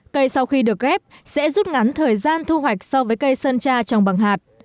cây sau khi được ghép sẽ rút ngắn thời gian thu hoạch so với cây sơn tra trồng bằng hạt